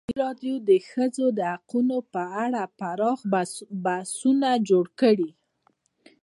ازادي راډیو د د ښځو حقونه په اړه پراخ بحثونه جوړ کړي.